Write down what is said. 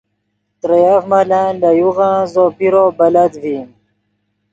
ترے یف ملن لے یوغن زو پیرو بلت ڤئیم